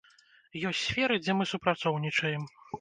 Ёсць сферы, дзе мы супрацоўнічаем.